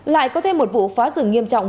lại có thêm một vụ phá rừng nghiêm trọng